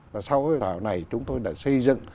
và sau hội thảo này chúng tôi đã xây dựng